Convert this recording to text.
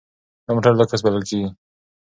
دا موټر لوکس بلل کیږي.